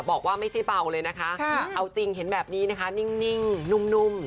บอกว่าไม่ใช่เบาเลยนะคะเอาจริงเห็นแบบนี้นะคะนิ่งนุ่ม